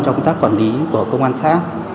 trong tác quản lý của công an xã